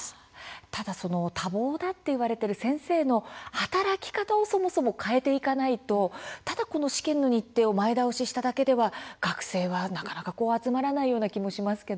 ただ多忙だと言われる先生の働き方をそもそも変えていかないとただ試験の日程を前倒ししただけでは学生はなかなか集まらないような気がしますが。